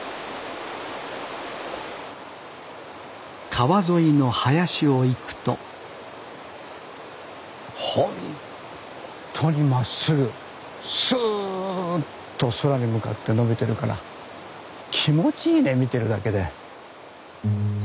川沿いの林を行くとほんっとにまっすぐスーッと空に向かって伸びてるから気持ちいいね見てるだけで。